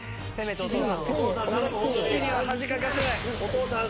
父には恥かかせない。